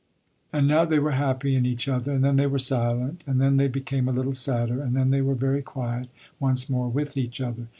And now they were very happy in each other and then they were silent and then they became a little sadder and then they were very quiet once more with each other.